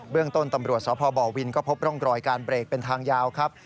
เรื่องต้นตำรวจสพบวินก็พบร่องรอยการเบรกเป็นทางยาวครับ